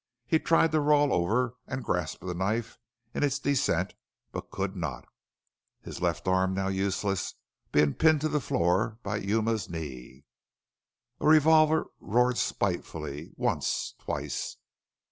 He tried to roll over and grasp the knife in its descent, but could not, his left arm, now useless, being pinned to the floor by Yuma's knee. A revolver roared spitefully once twice.